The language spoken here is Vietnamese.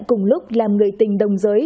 cùng lúc làm người tình đồng giới